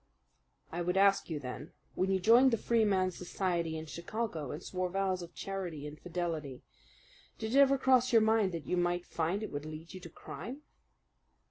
"I would ask you, then, when you joined the Freeman's society in Chicago and swore vows of charity and fidelity, did ever it cross your mind that you might find it would lead you to crime?"